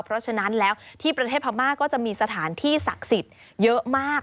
เพราะฉะนั้นแล้วที่ประเทศพม่าก็จะมีสถานที่ศักดิ์สิทธิ์เยอะมาก